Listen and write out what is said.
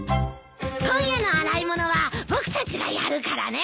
今夜の洗い物は僕たちがやるからね。